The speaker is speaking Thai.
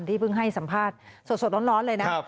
เพิ่งให้สัมภาษณ์สดร้อนเลยนะ